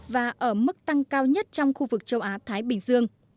và ở mức tăng cao nhất trong khu vực châu á thái bình dương